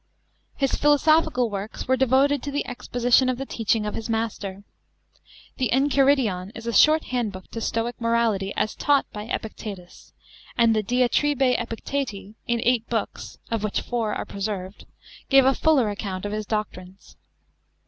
(1) His philosophical works were devoted to the exposition of the teaching of his master. The Enchiridion is a short handbook to Stoic morality as taught by Epictetus ; and the Diatribe Epicteti (in eight Books, of which four are preserved) gave a fuller account of his doctrines.